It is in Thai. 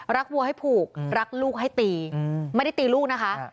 วัวให้ผูกรักลูกให้ตีไม่ได้ตีลูกนะคะ